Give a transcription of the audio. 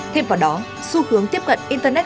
thêm vào đó xu hướng tiếp cận internet